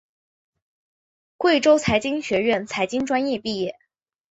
贵州财经学院财政专业毕业。